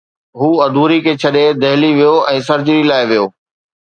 هو اڍوري کي ڇڏي دهلي ويو ۽ سرجري لاءِ ويو